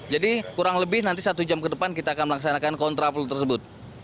jadi kurang lebih nanti satu jam ke depan kita akan melaksanakan kontra flow tersebut